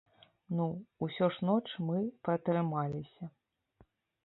Ну, усё ж ноч мы пратрымаліся.